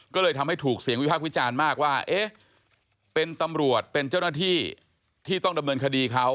ก็เลยทำให้ถูกเสียงวิพากษ์วิจารณ์มากว่าเอ๊ะเป็นตำรวจเป็นเจ้าหน้าที่ที่ต้องดำเนินคดีเขา